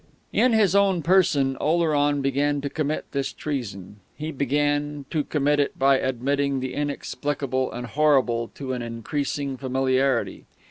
In his own person, Oleron began to commit this treason. He began to commit it by admitting the inexplicable and horrible to an increasing familiarity.